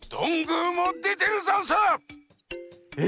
え！？